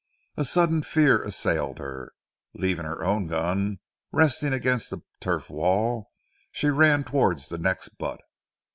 A sudden fear assailed her. Leaving her own gun resting against the turf wall, she ran towards the next butt.